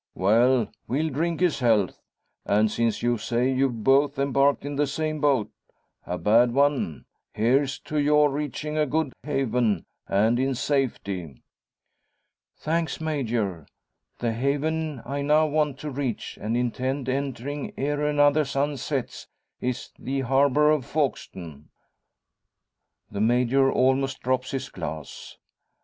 "Well; we'll drink his health. And since you say you've both embarked in the same boat a bad one here's to your reaching a good haven, and in safety!" "Thanks, Major! The haven I now want to reach, and intend entering ere another sun sets, is the harbour of Folkestone." The Major almost drops his glass.